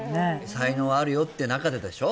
才能あるよってなかででしょ